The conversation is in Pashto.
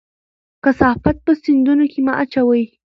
کثافات په سیندونو کې مه اچوئ.